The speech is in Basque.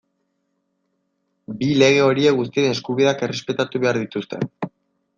Bi, lege horiek guztien eskubideak errespetatu behar dituzte.